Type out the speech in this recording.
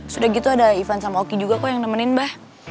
sudah gitu ada ivan sama oki juga kok yang nemenin mbah